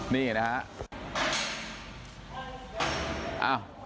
นี่เห็นไหมครับ